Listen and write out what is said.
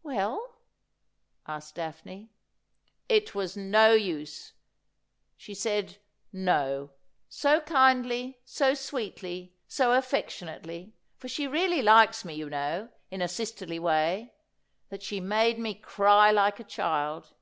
' Well V asked Daphne. ' It was no use. She said " No," so kindly, so sweetly, so afEectionately — for she really likes me, you know, in a sisterly way — that she made me cry like a child.